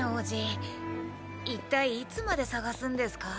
一体いつまで探すんですか？